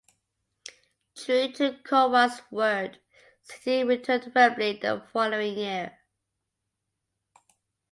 True to Cowan's word, City returned to Wembley the following year.